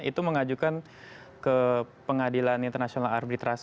itu mengajukan ke pengadilan international arbitrace